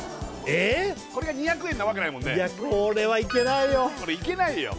えっこれが２００円なわけないもんねいやこれはいけないよ